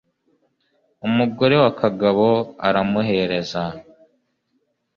umugore wa kagabo aramuhereza